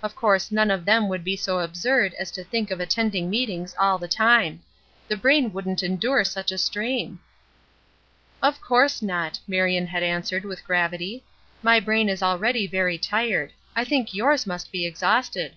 Of course none of them would be so absurd as to think of attending meetings all the time. The brain wouldn't endure such a strain." "Of course not," Marion had answered with gravity, "My brain is already very tired. I think yours must be exhausted."